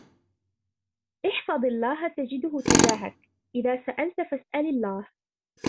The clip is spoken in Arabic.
احْفَظِ اللهَ تَجِدْهُ تُجَاهَكَ، إِذَا سَأَلْتَ فَاسْأَلِ اللهَ،